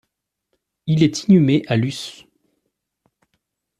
Il est inhumé à Lusse.